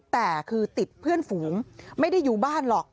แต่คือติดเพื่อนฝูงไม่ได้อยู่บ้านหรอก